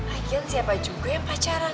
akhirnya siapa juga yang pacaran